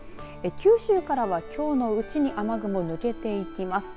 九州からは、きょうのうちに雨雲、抜けていきます。